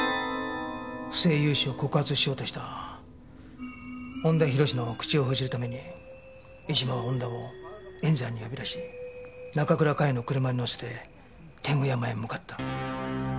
不正融資を告発しようとした恩田浩の口を封じるために江島は恩田を塩山に呼び出し中倉佳世の車に乗せて天狗山へ向かった。